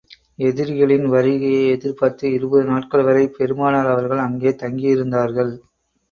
எதிரிகளின் வருகையை எதிர்பார்த்து, இருபது நாட்கள் வரை பெருமானார் அவர்கள் அங்கே தங்கியிருந்தார்கள்.